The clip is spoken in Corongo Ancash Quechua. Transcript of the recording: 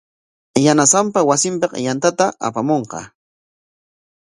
Yanasanpa wasinpik yantata apamunqa.